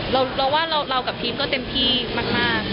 เราว่าเรากับทีมก็เต็มที่มาก